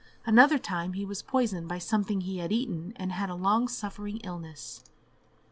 Another time he was poisoned by something he had eaten, and had a long suffering illness.